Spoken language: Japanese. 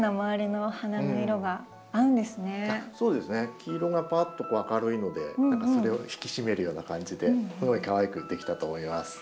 黄色がぱっと明るいので何かそれを引き締めるような感じですごいかわいく出来たと思います。